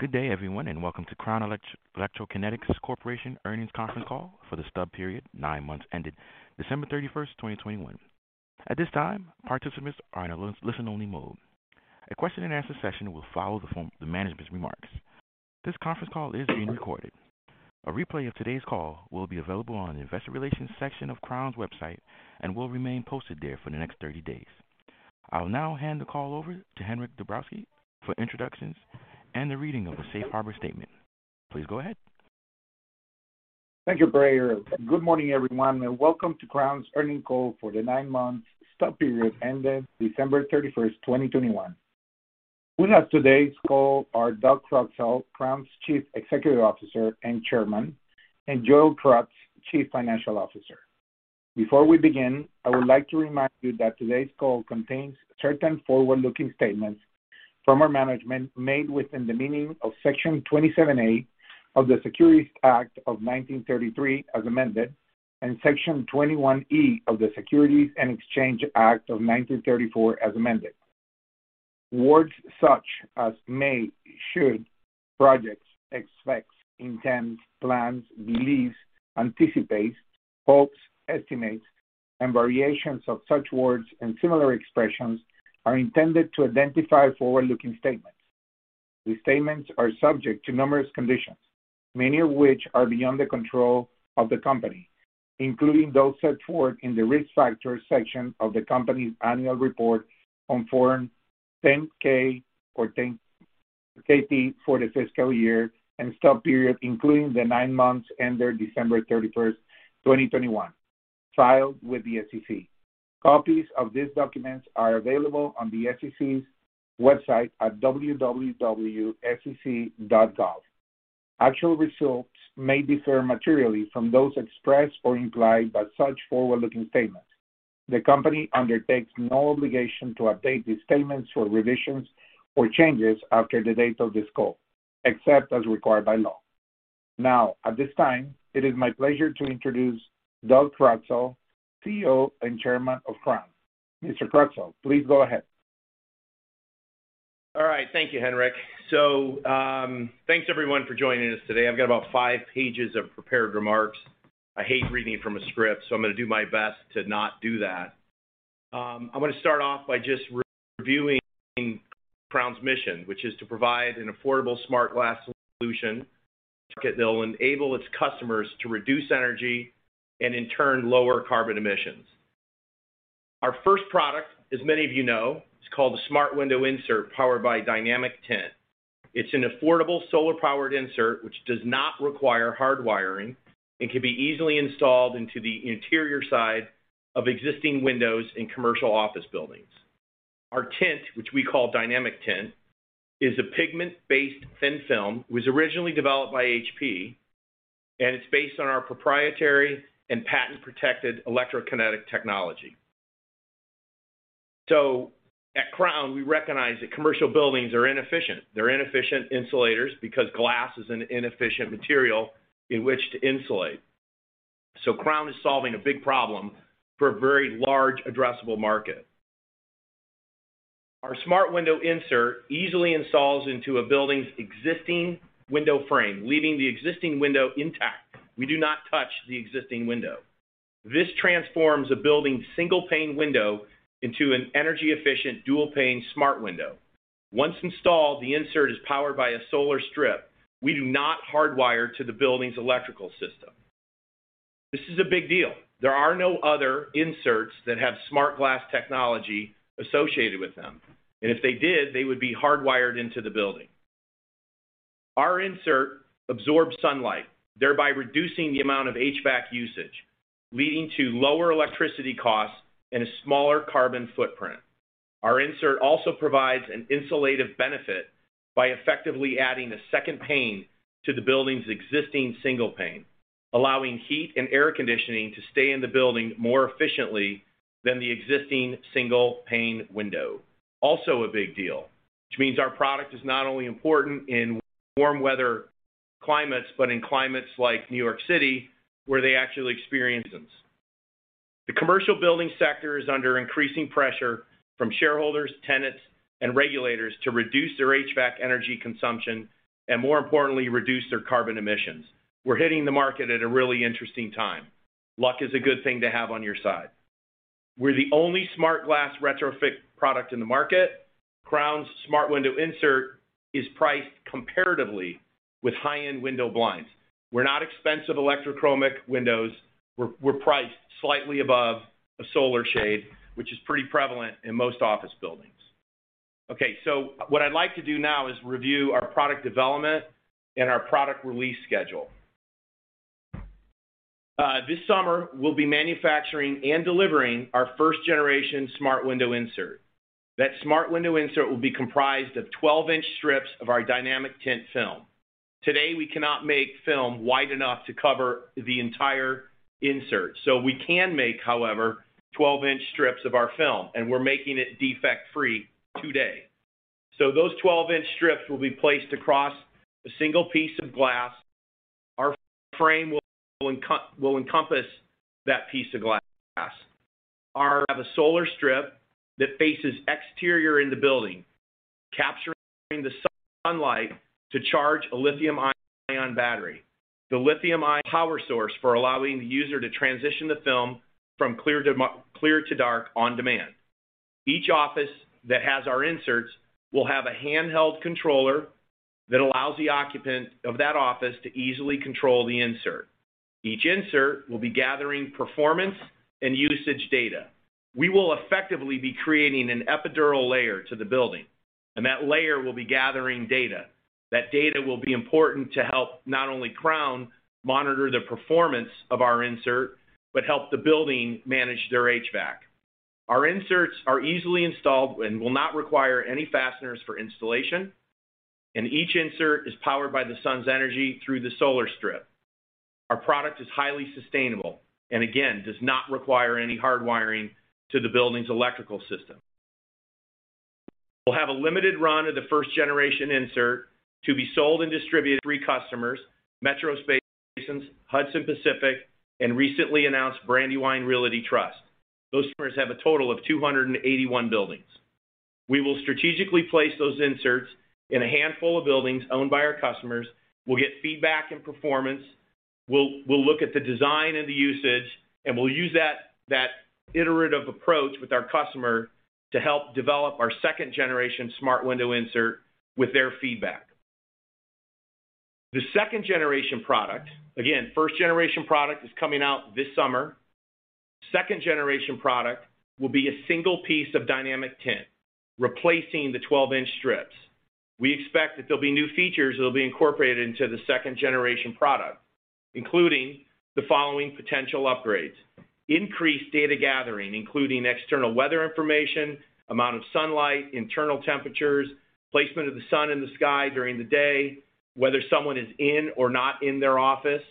Good day, everyone, and welcome to Crown Electrokinetics Corporation earnings conference call for the stub period nine months ended December 31, 2021. At this time, participants are in a listen-only mode. A question and answer session will follow the management's remarks. This conference call is being recorded. A replay of today's call will be available on the investor relations section of Crown's website and will remain posted there for the next 30 days. I'll now hand the call over to Henryk Dabrowski for introductions and the reading of the safe harbor statement. Please go ahead. Thank you, Gray. Good morning, everyone, and welcome to Crown's earnings call for the nine-month stub period ended December 31, 2021. We have on today's call our Doug Croxall, Crown's Chief Executive Officer and Chairman, and Joel Krutz, Chief Financial Officer. Before we begin, I would like to remind you that today's call contains certain forward-looking statements from our management made within the meaning of Section 27A of the Securities Act of 1933, as amended, and Section 21E of the Securities Exchange Act of 1934, as amended. Words such as may, should, projects, expects, intends, plans, believes, anticipates, hopes, estimates, and variations of such words and similar expressions are intended to identify forward-looking statements. These statements are subject to numerous conditions, many of which are beyond the control of the company, including those set forth in the Risk Factors section of the company's annual report on Form 10-K or 10-KT for the fiscal year and stub period, including the nine months ended December 31, 2021, filed with the SEC. Copies of these documents are available on the SEC's website at www.sec.gov. Actual results may differ materially from those expressed or implied by such forward-looking statements. The company undertakes no obligation to update these statements or revisions or changes after the date of this call, except as required by law. Now, at this time, it is my pleasure to introduce Doug Croxall, CEO and Chairman of Crown. Mr. Croxall, please go ahead. All right. Thank you, Henryk. Thanks everyone for joining us today. I've got about five pages of prepared remarks. I hate reading from a script, so I'm gonna do my best to not do that. I'm gonna start off by just reviewing Crown's mission, which is to provide an affordable smart glass solution that will enable its customers to reduce energy and in turn, lower carbon emissions. Our first product, as many of you know, is called the Smart Window Insert, powered by DynamicTint. It's an affordable solar-powered insert which does not require hard wiring and can be easily installed into the interior side of existing windows in commercial office buildings. Our tint, which we call DynamicTint, is a pigment-based thin film. It was originally developed by HP, and it's based on our proprietary and patent-protected electrokinetic technology. At Crown, we recognize that commercial buildings are inefficient. They're inefficient insulators because glass is an inefficient material in which to insulate. Crown is solving a big problem for a very large addressable market. Our Smart Window Insert easily installs into a building's existing window frame, leaving the existing window intact. We do not touch the existing window. This transforms a building's single-pane window into an energy-efficient, dual-pane smart window. Once installed, the insert is powered by a solar strip. We do not hardwire to the building's electrical system. This is a big deal. There are no other inserts that have smart glass technology associated with them, and if they did, they would be hardwired into the building. Our insert absorbs sunlight, thereby reducing the amount of HVAC usage, leading to lower electricity costs and a smaller carbon footprint. Our insert also provides an insulative benefit by effectively adding a second pane to the building's existing single pane, allowing heat and air conditioning to stay in the building more efficiently than the existing single-pane window. Also a big deal, which means our product is not only important in warm weather climates, but in climates like New York City, where they actually experience. The commercial building sector is under increasing pressure from shareholders, tenants, and regulators to reduce their HVAC energy consumption and, more importantly, reduce their carbon emissions. We're hitting the market at a really interesting time. Luck is a good thing to have on your side. We're the only smart glass retrofit product in the market. Crown's Smart Window Insert is priced comparatively with high-end window blinds. We're not expensive electrochromic windows. We're priced slightly above a solar shade, which is pretty prevalent in most office buildings. Okay, what I'd like to do now is review our product development and our product release schedule. This summer we'll be manufacturing and delivering our first generation Smart Window Insert. That Smart Window Insert will be comprised of 12-inch strips of our DynamicTint film. Today, we cannot make film wide enough to cover the entire insert, so we can make, however, 12-inch strips of our film, and we're making it defect-free today. Those 12-inch strips will be placed across a single piece of glass. Our frame will encompass that piece of glass and have a solar strip that faces the exterior of the building, capturing the sunlight to charge a lithium-ion battery. The lithium-ion power source for allowing the user to transition the film from clear to dark on demand. Each office that has our inserts will have a handheld controller that allows the occupant of that office to easily control the insert. Each insert will be gathering performance and usage data. We will effectively be creating an epidermal layer to the building, and that layer will be gathering data. That data will be important to help not only Crown monitor the performance of our insert, but help the building manage their HVAC. Our inserts are easily installed and will not require any fasteners for installation, and each insert is powered by the sun's energy through the solar strip. Our product is highly sustainable and again, does not require any hard wiring to the building's electrical system. We'll have a limited run of the first generation insert to be sold and distributed to three customers, MetroSpaces, Hudson Pacific, and recently announced Brandywine Realty Trust. Those customers have a total of 281 buildings. We will strategically place those inserts in a handful of buildings owned by our customers. We'll get feedback and performance. We'll look at the design and the usage, and we'll use that iterative approach with our customer to help develop our second generation Smart Window Insert with their feedback. The second generation product. Again, first generation product is coming out this summer. Second generation product will be a single piece of DynamicTint replacing the 12-inch strips. We expect that there'll be new features that'll be incorporated into the second generation product, including the following potential upgrades. Increased data gathering, including external weather information, amount of sunlight, internal temperatures, placement of the sun in the sky during the day, whether someone is in or not in their office.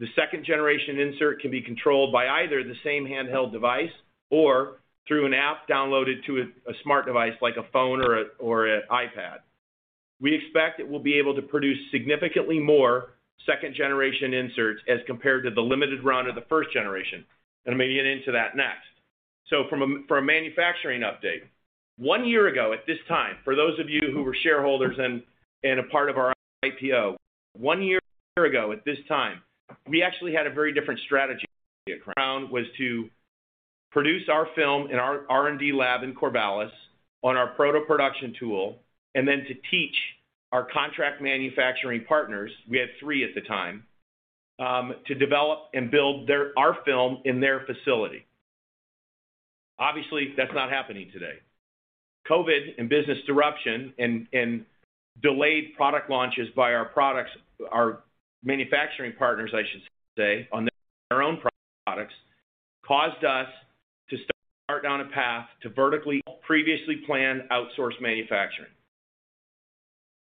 The second generation insert can be controlled by either the same handheld device or through an app downloaded to a smart device like a phone or an iPad. We expect it will be able to produce significantly more second generation inserts as compared to the limited run of the first generation, and I'm gonna get into that next. From a manufacturing update, one year ago at this time, for those of you who were shareholders and a part of our IPO, we actually had a very different strategy at Crown, was to produce our film in our R&D lab in Corvallis on our proto-production tool, and then to teach our contract manufacturing partners, we had three at the time, to develop and build our film in their facility. Obviously, that's not happening today. COVID and business disruption and delayed product launches by our products, our manufacturing partners, I should say, on their own products, caused us to start down a path to vertically previously planned outsource manufacturing.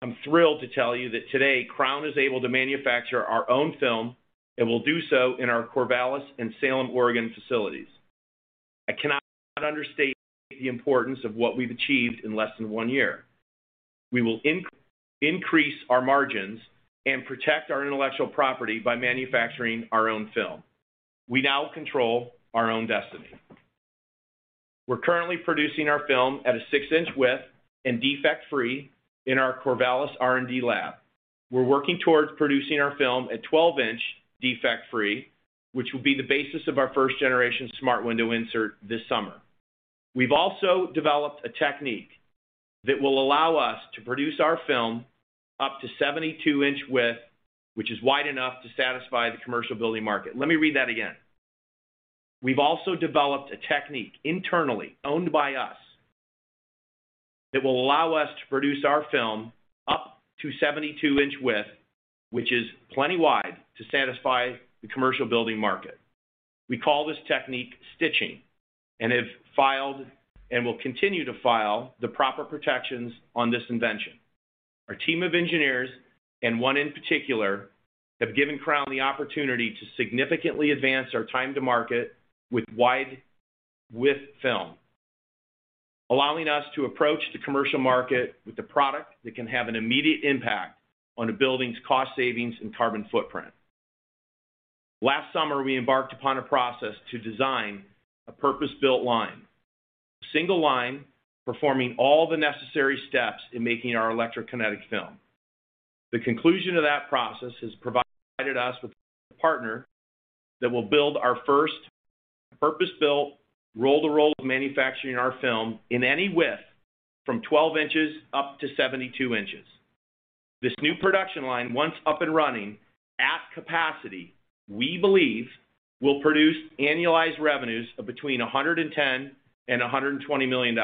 I'm thrilled to tell you that today, Crown is able to manufacture our own film, and will do so in our Corvallis and Salem, Oregon facilities. I cannot understate the importance of what we've achieved in less than one year. We will increase our margins and protect our intellectual property by manufacturing our own film. We now control our own destiny. We're currently producing our film at a 6-inch width and defect-free in our Corvallis R&D lab. We're working towards producing our film at 12-inch defect-free, which will be the basis of our first generation Smart Window Insert this summer. We've also developed a technique that will allow us to produce our film up to 72-inch width, which is wide enough to satisfy the commercial building market. Let me read that again. We've also developed a technique internally, owned by us, that will allow us to produce our film up to 72-inch width, which is plenty wide to satisfy the commercial building market. We call this technique stitching, and have filed and will continue to file the proper protections on this invention. Our team of engineers, and one in particular, have given Crown the opportunity to significantly advance our time to market with wide-width film, allowing us to approach the commercial market with a product that can have an immediate impact on a building's cost savings and carbon footprint. Last summer, we embarked upon a process to design a purpose-built line, a single line performing all the necessary steps in making our electrokinetic film. The conclusion of that process has provided us with a partner that will build our first purpose-built roll-to-roll manufacturing our film in any width from 12 inches up to 72 inches. This new production line, once up and running at capacity, we believe, will produce annualized revenues of between $110 million and $120 million,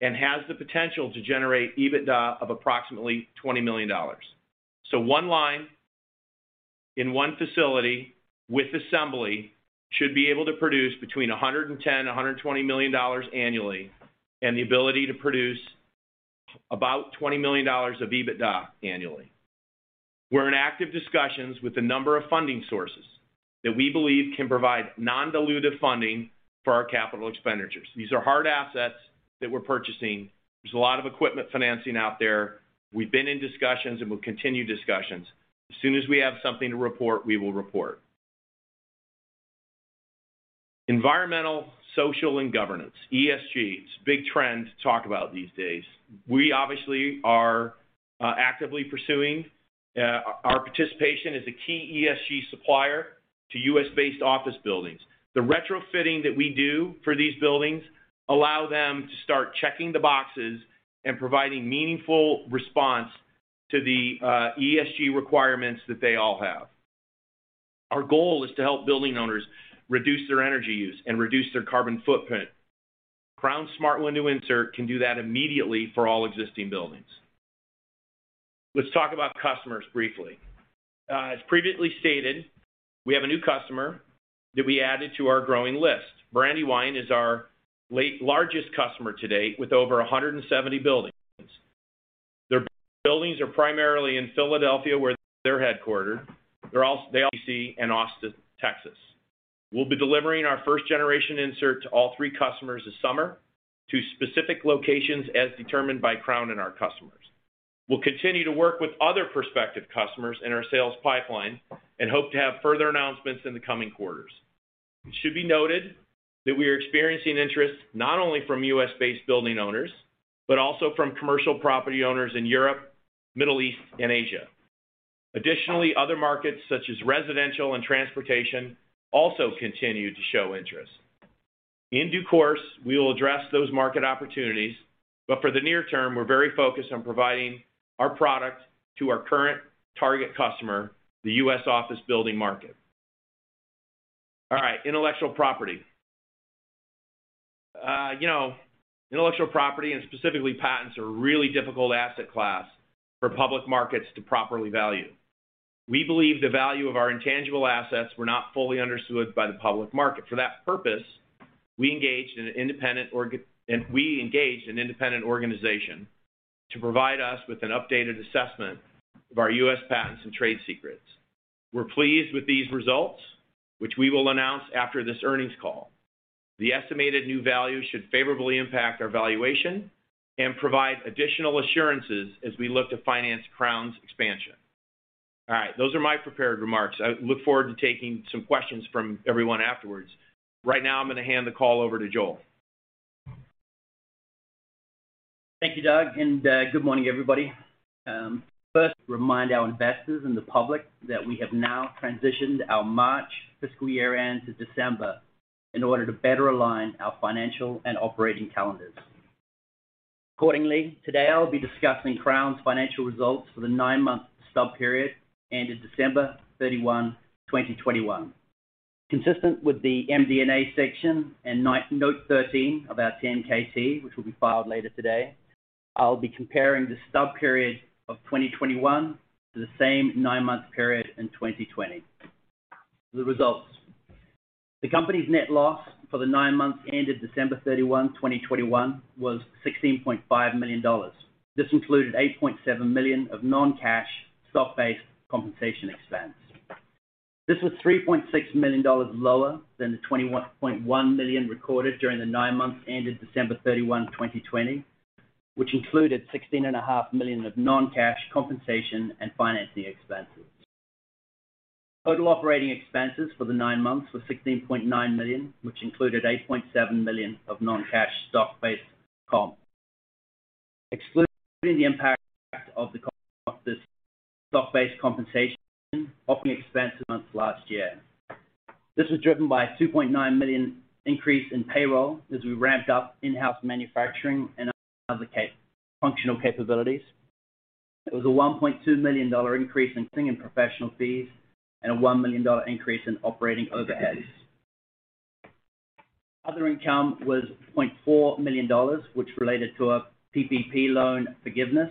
and has the potential to generate EBITDA of approximately $20 million. One line in one facility with assembly should be able to produce between $110 million and $120 million annually, and the ability to produce about $20 million of EBITDA annually. We're in active discussions with a number of funding sources that we believe can provide non-dilutive funding for our capital expenditures. These are hard assets that we're purchasing. There's a lot of equipment financing out there. We've been in discussions, and we'll continue discussions. As soon as we have something to report, we will report. Environmental, social, and governance, ESG. Big trend to talk about these days. We obviously are actively pursuing our participation as a key ESG supplier to U.S.-based office buildings. The retrofitting that we do for these buildings allow them to start checking the boxes and providing meaningful response to the ESG requirements that they all have. Our goal is to help building owners reduce their energy use and reduce their carbon footprint. Crown's Smart Window Insert can do that immediately for all existing buildings. Let's talk about customers briefly. As previously stated, we have a new customer that we added to our growing list. Brandywine is our largest customer to date with over 170 buildings. Their buildings are primarily in Philadelphia, where they're headquartered. Thank you, Doug, and good morning, everybody. First remind our investors and the public that we have now transitioned our March fiscal year-end to December in order to better align our financial and operating calendars. Accordingly, today I'll be discussing Crown's financial results for the nine months stub period ended December 31, 2021. Consistent with the MD&A section and note 13 of our 10-KT, which will be filed later today, I'll be comparing the stub period of 2021 to the same nine-month period in 2020. The results. The company's net loss for the nine months ended December 31, 2021 was $16.5 million. This included $8.7 million of non-cash stock-based compensation expense. This was $3.6 million lower than the $21.1 million recorded during the nine months ended December 31, 2020, which included $16.5 million of non-cash compensation and financing expenses. Total operating expenses for the nine months were $16.9 million, which included $8.7 million of non-cash stock-based comp. Excluding the impact of the stock-based compensation, operating expense amounts last year. This was driven by a $2.9 million increase in payroll as we ramped up in-house manufacturing and other functional capabilities. It was a $1.2 million dollar increase in professional fees and a $1 million dollar increase in operating overheads. Other income was $0.4 million, which related to a PPP loan forgiveness,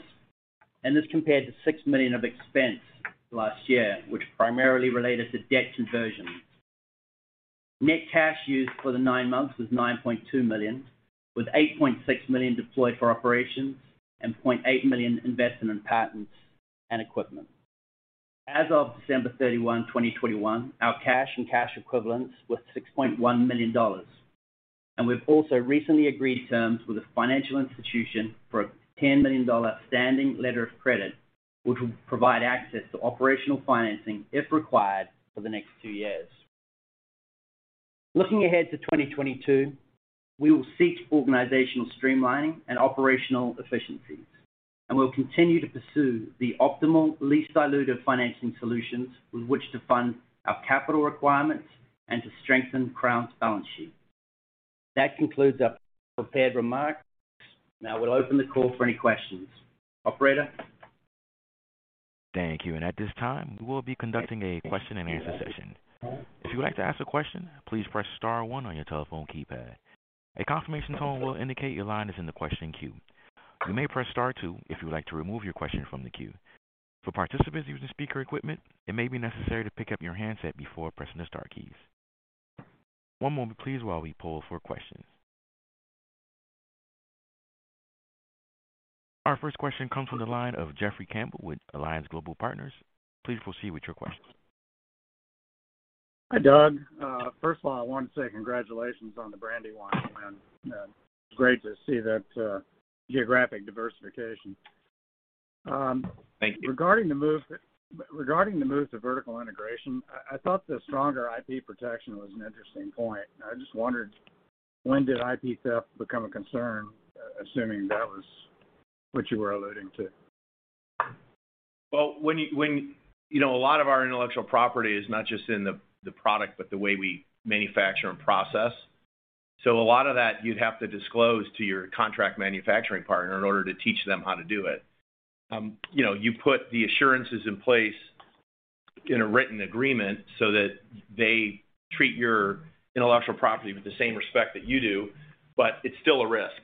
and this compared to $6 million of expense last year, which primarily related to debt conversions. Net cash used for the nine months was $9.2 million, with $8.6 million deployed for operations and $0.8 million investment in patents and equipment. As of December 31, 2021, our cash and cash equivalents were $6.1 million, and we've also recently agreed terms with a financial institution for a $10 million standing letter of credit, which will provide access to operational financing if required for the next two years. Looking ahead to 2022, we will seek organizational streamlining and operational efficiencies, and we'll continue to pursue the optimal least dilutive financing solutions with which to fund our capital requirements and to strengthen Crown's balance sheet. That concludes our prepared remarks. Now we'll open the call for any questions. Operator? Thank you. At this time, we will be conducting a question and answer session. If you have a question, please press *1 on your telephone keypad. The confirmation tone will indicate your line is in the question queue. You may press *2 if you would like to remove your question from the queue. If you are participating using speaker equipment, it may be necessary to pick up your handset before pressing * key. Our first question comes from the line of Jeffrey Campbell with Alliance Global Partners. Please proceed with your question. Hi, Doug. First of all, I want to say congratulations on the Brandywine win. It's great to see that geographic diversification. Thank you. Regarding the move to vertical integration, I thought the stronger IP protection was an interesting point. I just wondered when did IP theft become a concern, assuming that was what you were alluding to? Well, you know, a lot of our intellectual property is not just in the product, but the way we manufacture and process. So a lot of that you'd have to disclose to your contract manufacturing partner in order to teach them how to do it. You know, you put the assurances in place in a written agreement so that they treat your intellectual property with the same respect that you do, but it's still a risk.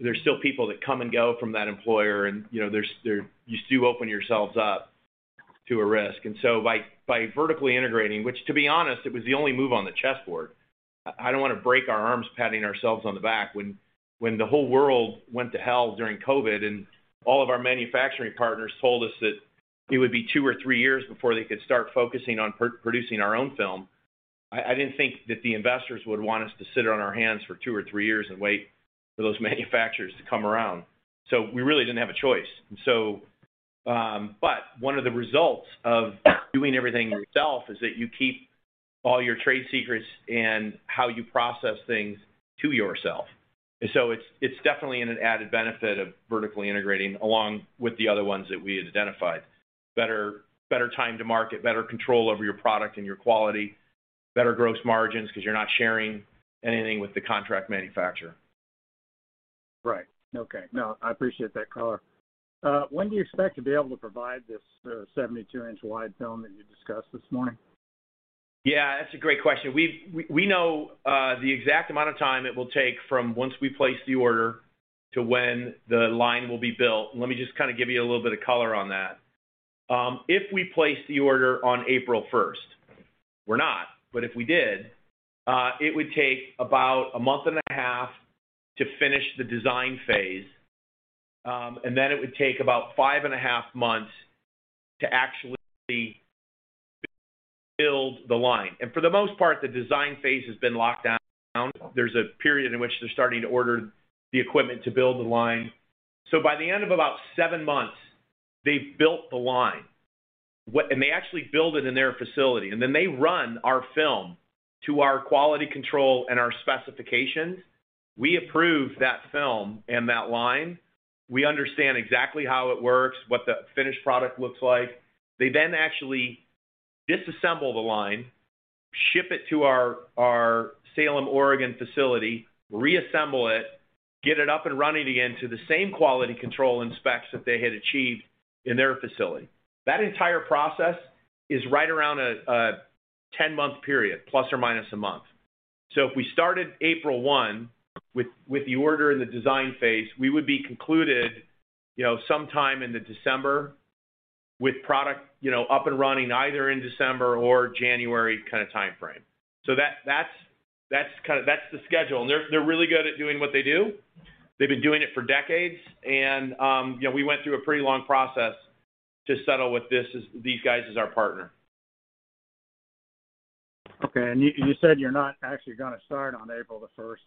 There's still people that come and go from that employer and, you know, you still open yourselves up to a risk. By vertically integrating, which to be honest, it was the only move on the chessboard. I don't want to break our arms patting ourselves on the back. When the whole world went to hell during COVID, and all of our manufacturing partners told us that it would be 2 or 3 years before they could start focusing on producing our own film, I didn't think that the investors would want us to sit on our hands for 2 or 3 years and wait for those manufacturers to come around. We really didn't have a choice. But one of the results of doing everything yourself is that you keep all your trade secrets and how you process things to yourself. It's definitely an added benefit of vertically integrating along with the other ones that we identified. Better time to market, better control over your product and your quality, better gross margins 'cause you're not sharing anything with the contract manufacturer. Right. Okay. No, I appreciate that color. When do you expect to be able to provide this 72-inch wide film that you discussed this morning? That's a great question. We know the exact amount of time it will take from once we place the order to when the line will be built. Let me just kind of give you a little bit of color on that. If we place the order on April 1, we're not, but if we did, it would take about a month and a half to finish the design phase, and then it would take about 5 and a half months to actually build the line. For the most part, the design phase has been locked down. There's a period in which they're starting to order the equipment to build the line. By the end of about 7 months, they've built the line. They actually build it in their facility, and then they run our film to our quality control and our specifications. We approve that film and that line. We understand exactly how it works, what the finished product looks like. They then actually disassemble the line, ship it to our Salem, Oregon facility, reassemble it, get it up and running again to the same quality control and specs that they had achieved in their facility. That entire process is right around a 10-month period, plus or minus a month. If we started April 1 with the order in the design phase, we would be concluded, you know, sometime in December with product, you know, up and running either in December or January kind of timeframe. That's the schedule. They're really good at doing what they do. They've been doing it for decades and, you know, we went through a pretty long process to settle with these guys as our partner. Okay. You said you're not actually gonna start on April the first.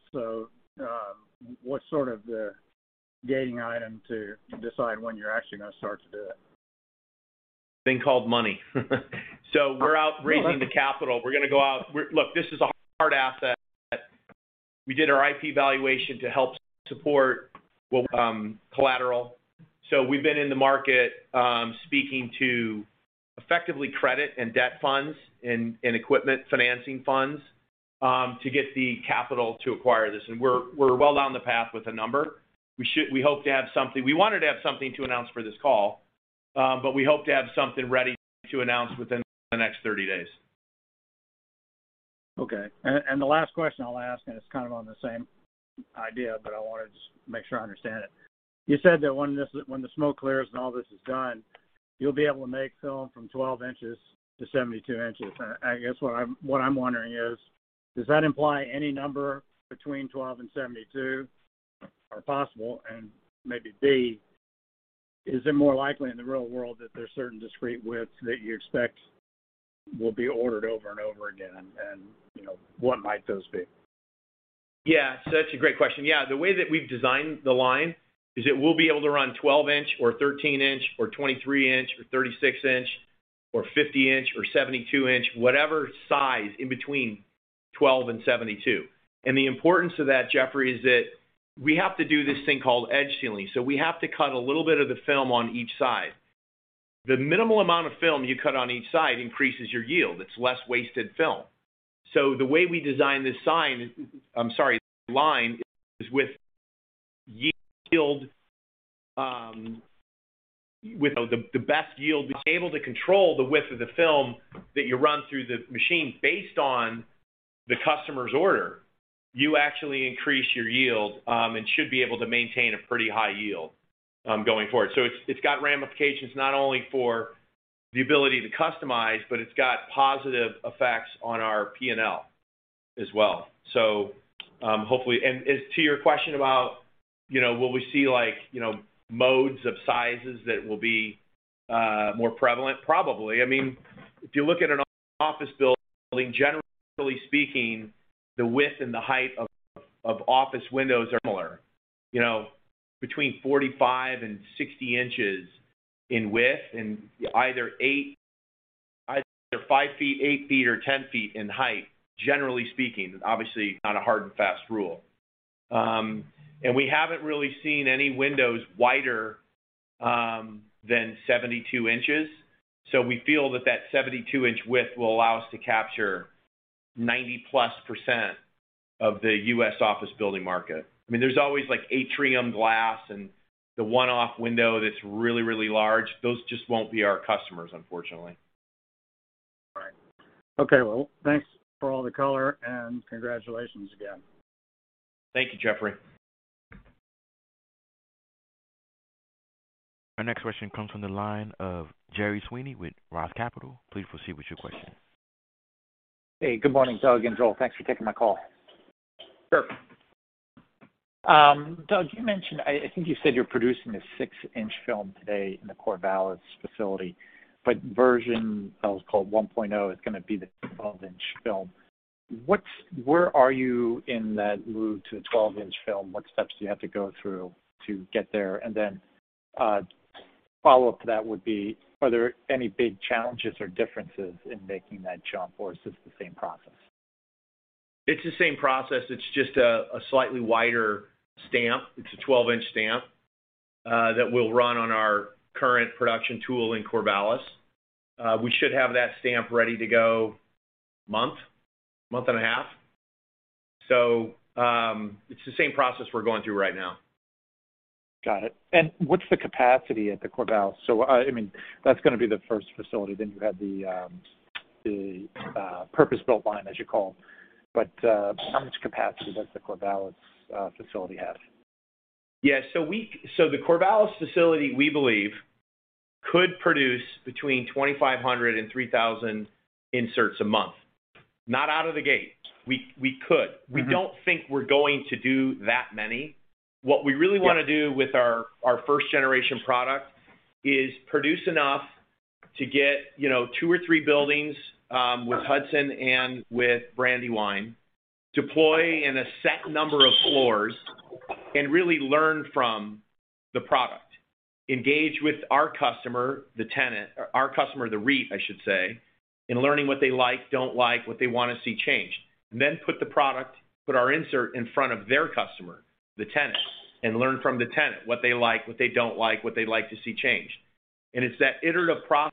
What's sort of the gating item to decide when you're actually gonna start to do it? thing called money. We're out raising the capital. We're gonna go out. Look, this is a hard asset. We did our IP valuation to help support what, collateral. We've been in the market, speaking to effectively credit and debt funds and equipment financing funds, to get the capital to acquire this. We're well down the path with a number. We hope to have something. We wanted to have something to announce for this call, but we hope to have something ready to announce within the next 30 days. Okay. The last question I'll ask, and it's kind of on the same idea, but I wanted to just make sure I understand it. You said that when the smoke clears and all this is done, you'll be able to make film from 12-72 inches. I guess what I'm wondering is, does that imply any number between 12 and 72 are possible? And maybe, B, is it more likely in the real world that there are certain discrete widths that you expect will be ordered over and over again? You know, what might those be? That's a great question.. The way that we've designed the line is it will be able to run 12-inch or 13-inch or 23-inch or 36-inch or 50-inch or 72-inch, whatever size in between 12 and 72. The importance of that, Jeffrey, is that we have to do this thing called edge sealing. We have to cut a little bit of the film on each side. The minimal amount of film you cut on each side increases your yield. It's less wasted film. The way we design this line is with yield, with the best yield. We're able to control the width of the film that you run through the machine based on the customer's order. You actually increase your yield, and should be able to maintain a pretty high yield, going forward. It's got ramifications not only for the ability to customize, but it's got positive effects on our P&L as well. Hopefully, and to your question about, you know, will we see like, you know, modes of sizes that will be more prevalent? Probably. I mean, if you look at an office building, generally speaking, the width and the height of office windows are similar, you know, between 45 and 60 inches in width and either five feet, eight feet or 10 feet in height, generally speaking. Obviously, not a hard and fast rule. We haven't really seen any windows wider than 72 inches. We feel that that 72-inch width will allow us to capture 90+% of the U.S. office building market. I mean, there's always, like, atrium glass and the one-off window that's really, really large. Those just won't be our customers, unfortunately. All right. Okay. Well, thanks for all the color, and congratulations again. Thank you, Jeffrey. Our next question comes from the line of Jerry Sweeney with Roth Capital Partners. Please proceed with your question. Hey, good morning, Doug and Joel. Thanks for taking my call. Sure. Doug, you mentioned I think you said you're producing a 6-inch film today in the Corvallis facility, but the version that was called 1.0 is gonna be the 12-inch film. Where are you in that move to a 12-inch film? What steps do you have to go through to get there? Then, follow-up to that would be, are there any big challenges or differences in making that jump, or is this the same process? It's the same process. It's just a slightly wider stamp. It's a 12-inch stamp that we'll run on our current production tool in Corvallis. We should have that stamp ready to go in a month and a half. It's the same process we're going through right now. Got it. What's the capacity at the Corvallis? I mean, that's gonna be the first facility, then you have the purpose-built line, as you call. How much capacity does the Corvallis facility have? The Corvallis facility, we believe, could produce between 2,500 and 3,000 inserts a month. Not out of the gate. We could. We don't think we're going to do that many. What we really wanna do. With our first generation product is to produce enough to get, you know, 2 or 3 buildings with Hudson and with Brandywine, deploy in a set number of floors, and really learn from the product. Engage with our customer, the tenant. Our customer, the REIT, I should say, in learning what they like, don't like, what they wanna see changed. Put our insert in front of their customer, the tenant, and learn from the tenant what they like, what they don't like, what they'd like to see changed. It's that iterative process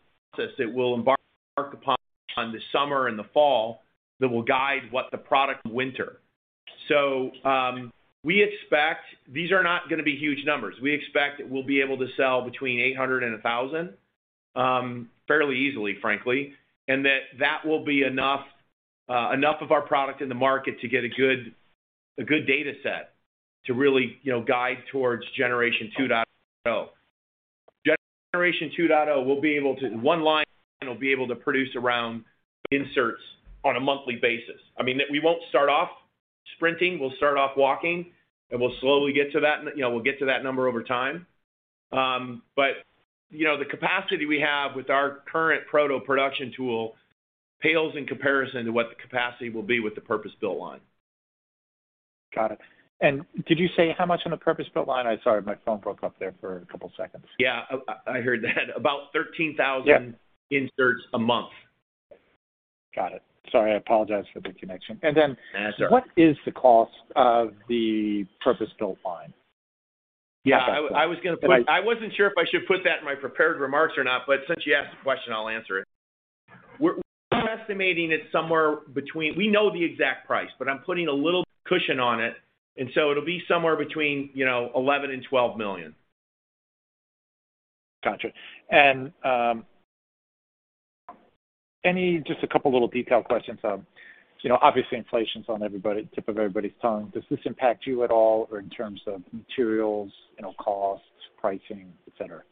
that we'll embark upon this summer and the fall that will guide what the product is this winter. We expect these are not gonna be huge numbers. We expect that we'll be able to sell between 800 and 1,000 fairly easily, frankly, and that will be enough of our product in the market to get a good data set to really, you know, guide towards generation 2.0. Generation 2.0, we'll be able to. One line will be able to produce around inserts on a monthly basis. I mean, we won't start off sprinting. We'll start off walking, and we'll slowly get to that. You know, we'll get to that number over time. But, you know, the capacity we have with our current proto-production tool pales in comparison to what the capacity will be with the purpose-built line. Got it. Did you say how much on the purpose-built line? I'm sorry, my phone broke up there for a couple seconds. I heard that. About 13,000 inserts a month. Got it. Sorry, I apologize for the connection. That's all right. What is the cost of the purpose-built line? I wasn't sure if I should put that in my prepared remarks or not, but since you asked the question, I'll answer it. We're estimating it, we know the exact price, but I'm putting a little cushion on it, and so it'll be somewhere between, you know, $11 million and $12 million. Gotcha. Just a couple little detail questions. You know, obviously inflation's on the tip of everybody's tongue. Does this impact you at all or in terms of materials, you know, costs, pricing, et cetera?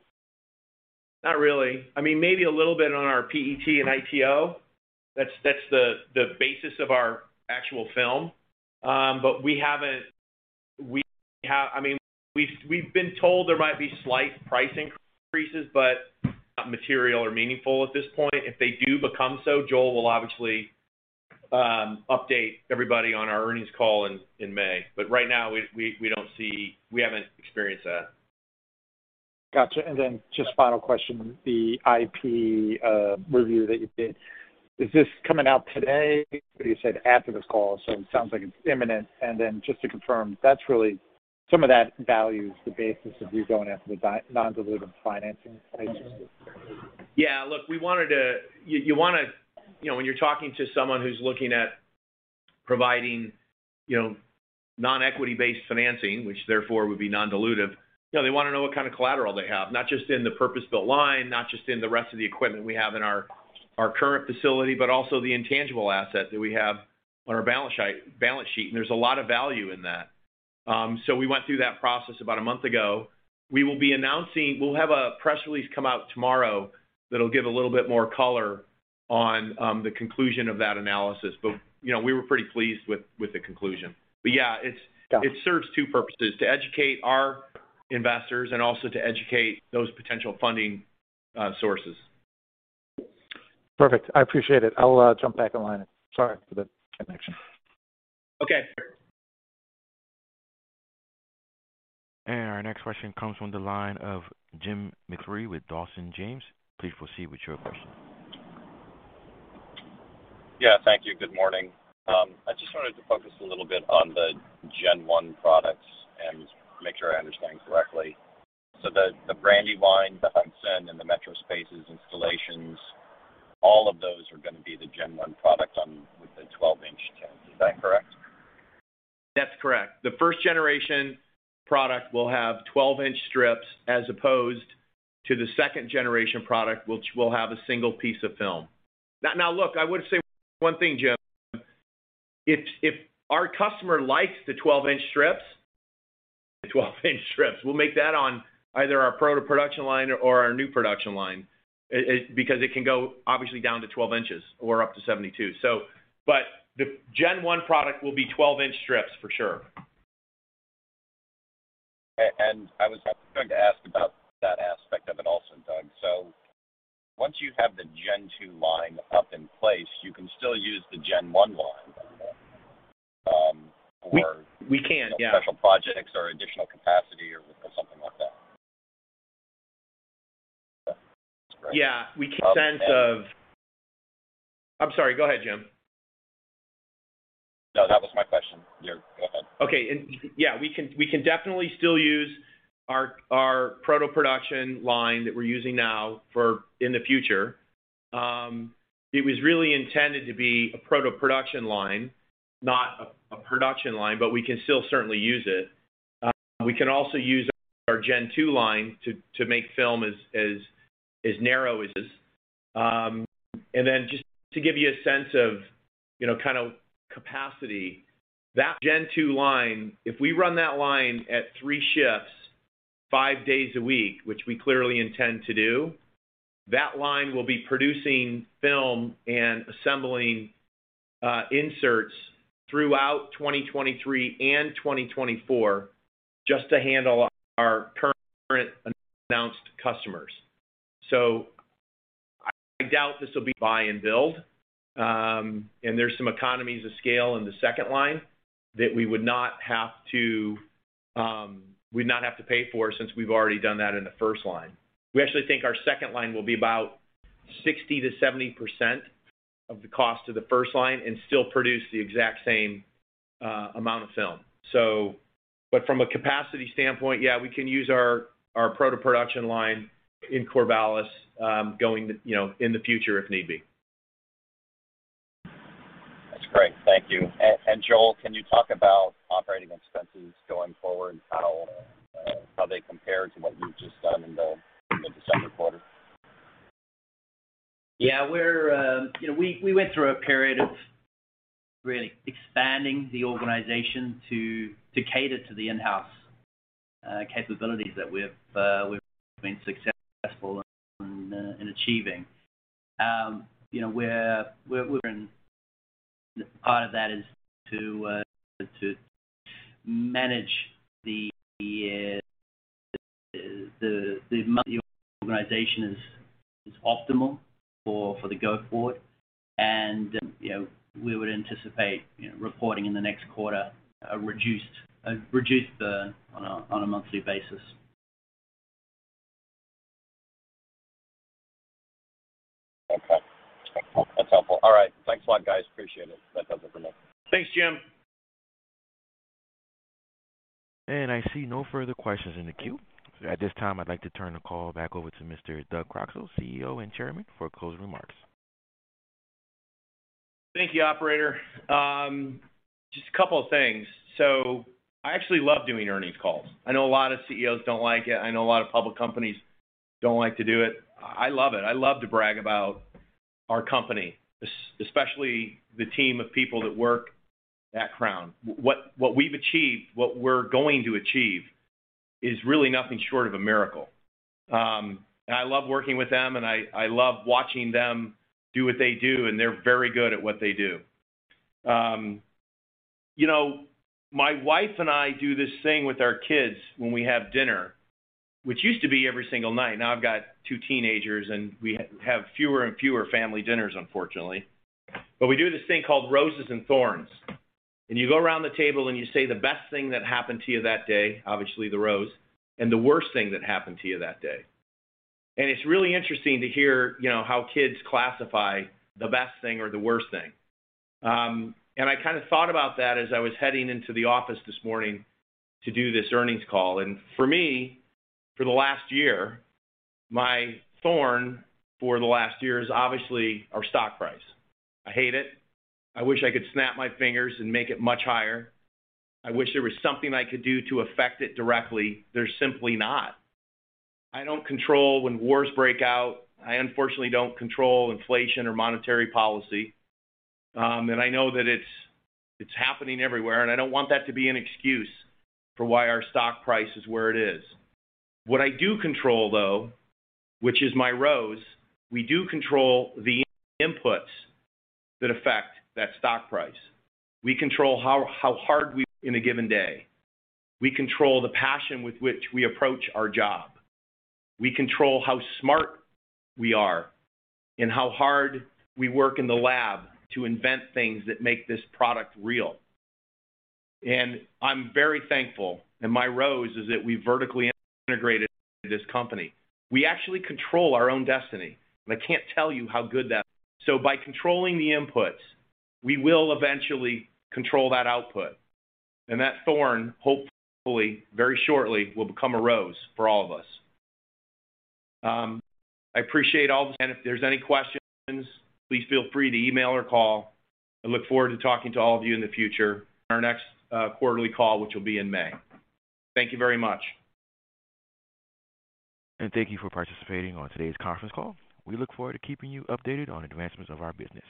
Not really. I mean, maybe a little bit on our PET and ITO. That's the basis of our actual film. I mean, we've been told there might be slight pricing increases, but not material or meaningful at this point. If they do become so, Joel will obviously update everybody on our earnings call in May. Right now, we don't see. We haven't experienced that. Gotcha. Just final question, the IP review that you did, is this coming out today? You said after this call, so it sounds like it's imminent. Just to confirm, that's really some of that value is the basis of you going after the non-dilutive financing agencies. Look, you wanna know, when you're talking to someone who's looking at providing non-equity-based financing, which therefore would be non-dilutive, you know, they wanna know what kind of collateral they have, not just in the purpose-built line, not just in the rest of the equipment we have in our current facility, but also the intangible asset that we have on our balance sheet, and there's a lot of value in that. So we went through that process about a month ago. We will be announcing. We'll have a press release come out tomorrow that'll give a little bit more color on the conclusion of that analysis. You know, we were pretty pleased with the conclusion., it's. Got it. It serves two purposes, to educate our investors and also to educate those potential funding sources. Perfect. I appreciate it. I'll jump back in line. Sorry for the connection. Okay. Our next question comes from the line of Jim McIlree with Dawson James. Please proceed with your question. Thank you. Good morning. I just wanted to focus a little bit on the gen one products and make sure I understand correctly. The Brandywine and the MetroSpaces installations, all of those are gonna be the gen one product one with the 12-inch tint. Is that correct? That's correct. The first generation product will have 12-inch strips as opposed to the second generation product, which will have a single piece of film. Now look, I would say one thing, Jim. If our customer likes the 12-inch strips, we'll make that on either our proto production line or our new production line because it can go obviously down to 12 inches or up to 72. The gen 1 product will be 12-inch strips for sure. I was going to ask about that aspect of it also, Doug. Once you have the Gen 2 line up in place, you can still use the Gen 1 line, or- We can. Special projects or additional capacity or something like that. I'm sorry. Go ahead, Jim. No, that was my question. Go ahead. Okay, we can definitely still use our proto production line that we're using now for the future. It was really intended to be a proto production line, not a production line, but we can still certainly use it. We can also use our gen two line to make film as narrow as... Just to give you a sense of, you know, kind of capacity, that gen two line, if we run that line at 3 shifts, 5 days a week, which we clearly intend to do, that line will be producing film and assembling inserts throughout 2023 and 2024 just to handle our current announced customers. I doubt this will be buy and build. There's some economies of scale in the second line that we would not have to pay for since we've already done that in the first line. We actually think our second line will be about 60%-70% of the cost of the first line and still produce the exact same amount of film. From a capacity standpoint,, we can use our proto production line in Corvallis going, you know, in the future if need be. That's great. Thank you. Joel, can you talk about operating expenses going forward? How they compare to what you've just done in the December quarter? We, you know, went through a period of really expanding the organization to cater to the in-house capabilities that we've been successful in achieving. Part of that is to manage the organization as is optimal for going forward. You know, we would anticipate, you know, reporting in the next quarter a reduced burn on a monthly basis. Okay. That's helpful. All right. Thanks a lot, guys. Appreciate it. That does it for me. Thanks, Jim. I see no further questions in the queue. At this time, I'd like to turn the call back over to Mr. Doug Croxall, CEO and Chairman, for closing remarks. Thank you, operator. Just a couple of things. I actually love doing earnings calls. I know a lot of CEOs don't like it. I know a lot of public companies don't like to do it. I love it. I love to brag about our company, especially the team of people that work at Crown. What we've achieved, what we're going to achieve is really nothing short of a miracle. I love working with them. I love watching them do what they do, and they're very good at what they do. You know, my wife and I do this thing with our kids when we have dinner, which used to be every single night. Now I've got two teenagers, and we have fewer and fewer family dinners, unfortunately. We do this thing called roses and thorns. You go around the table, and you say the best thing that happened to you that day, obviously the rose, and the worst thing that happened to you that day. It's really interesting to hear, you know, how kids classify the best thing or the worst thing. I kind of thought about that as I was heading into the office this morning to do this earnings call. For me, for the last year, my thorn for the last year is obviously our stock price. I hate it. I wish I could snap my fingers and make it much higher. I wish there was something I could do to affect it directly. There's simply not. I don't control when wars break out. I unfortunately don't control inflation or monetary policy. I know that it's happening everywhere, and I don't want that to be an excuse for why our stock price is where it is. What I do control, though, which is my rose, we do control the inputs that affect that stock price. We control how hard we work in a given day. We control the passion with which we approach our job. We control how smart we are and how hard we work in the lab to invent things that make this product real. I'm very thankful, and my rose is that we vertically integrated this company. We actually control our own destiny. I can't tell you how good that is. By controlling the inputs, we will eventually control that output. That thorn, hopefully, very shortly, will become a rose for all of us. I appreciate all this, and if there's any questions, please feel free to email or call. I look forward to talking to all of you in the future on our next quarterly call, which will be in May. Thank you very much. Thank you for participating on today's conference call. We look forward to keeping you updated on advancements of our business.